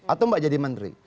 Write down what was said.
atau mbak jadi menteri